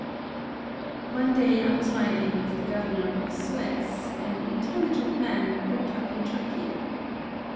One day I was riding with the governor of Suez, an intelligent man, brought up in Turkey.